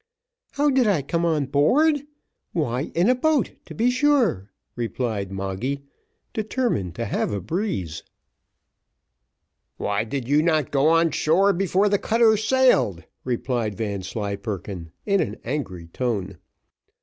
"How did I come on board! why, in a boat to be sure," replied Moggy, determined to have a breeze. "Why did you not go on shore before the cutter sailed?" replied Vanslyperken, in an angry tone.